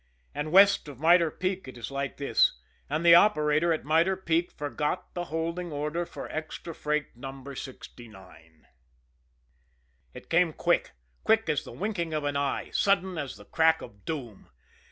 And west of Mitre Peak it is like this and the operator at Mitre Peak forgot the holding order for Extra Freight No. 69. It came quick, quick as the winking of an eye, sudden as the crack of doom.